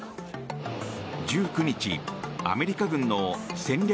１９日、アメリカ軍の戦略